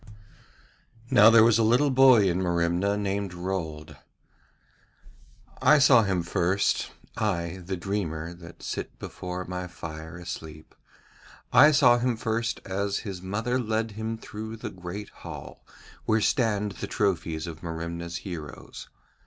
Now there was a little boy in Merimna named Rold. I saw him first, I, the dreamer, that sit before my fire asleep, I saw him first as his mother led him through the great hall where stand the trophies of Merimna's heroes.